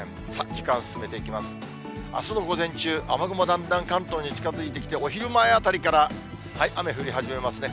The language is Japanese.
時間進めていきます、あすの午前中、雨雲だんだん関東に近づいてきて、お昼前あたりから雨降り始めますね。